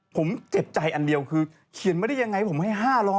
ผมเจ็บใจอันเดียวคือเขียนมาได้ยังไงผมให้๕๐๐